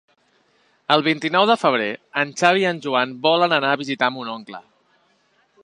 El vint-i-nou de febrer en Xavi i en Joan volen anar a visitar mon oncle.